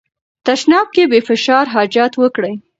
تشناب کې بې فشار حاجت وکړئ.